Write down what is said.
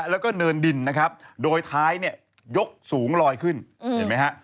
แล้วก็เนินดินนะครับโดยท้ายเนี่ยยกสูงลอยขึ้นเห็นไหมฮะ